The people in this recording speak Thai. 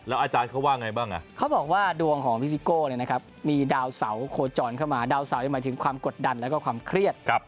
แล้วอาจารย์เขาว่าไงบ้างอะเขาบอกว่าดวงของพริกโกะเลยนะครับ